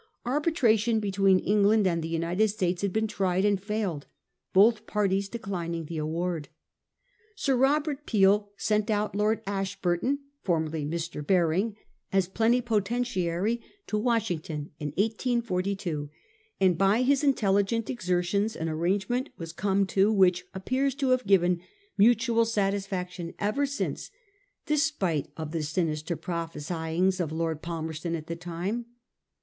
Arbitration between England and the United States had been tried and failed, both parties declin ing the award. Sir Robert Peel sent out Lord Ash burton, formerly Mr. Baring, as plenipotentiary, to Washington, in 1842, and by his intelligent exertions an arrangement was come to which appears to have given mutual satisfaction ever since, despite of the sinister prophecyings of Lord Palmerston at the time.